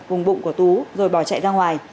vùng bụng của tú rồi bỏ chạy ra ngoài